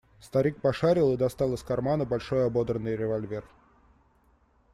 Старик пошарил и достал из кармана большой ободранный револьвер.